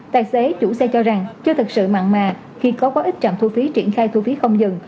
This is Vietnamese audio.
tài xế chủ xe cho rằng chưa thật sự mặn mà khi có quá ít trạm thu phí triển khai thu phí không dừng